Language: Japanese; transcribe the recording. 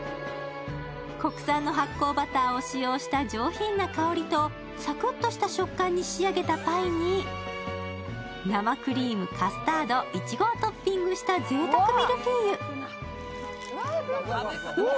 国産の発酵バターを使用した上品な香りとサクッとした食感に仕上げたパイに生クリーム、カスタード、いちごをトッピングしたぜいたくミルフィーユ。